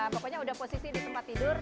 pokoknya udah posisi di tempat tidur